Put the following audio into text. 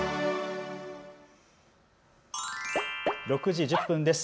６時１０分です。